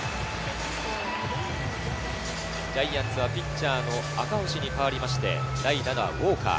ジャイアンツはピッチャーの赤星に代わって代打・ウォーカー。